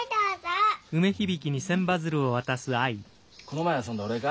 この前遊んだお礼か？